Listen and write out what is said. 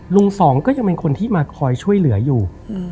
สองก็ยังเป็นคนที่มาคอยช่วยเหลืออยู่